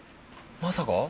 まさか。